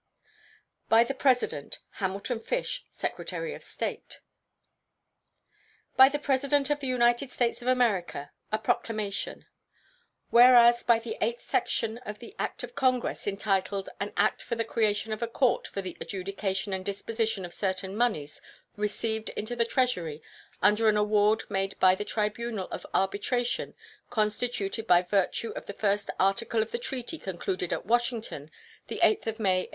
By the President: HAMILTON FISH, Secretary of State. BY THE PRESIDENT OF THE UNITED STATES OF AMERICA. A PROCLAMATION. Whereas by the eighth section of the act of Congress entitled "An act for the creation of a court for the adjudication and disposition of certain moneys received into the Treasury under an award made by the tribunal of arbitration constituted by virtue of the first article of the treaty concluded at Washington the 8th of May, A.